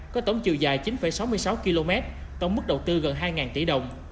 có tổng chiều dài chín sáu mươi sáu km tổng mức đầu tư gần hai tỷ đồng